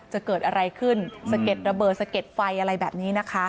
จะเกิดอะไรขึ้นสะเก็ดระเบิดสะเก็ดไฟอะไรแบบนี้นะคะ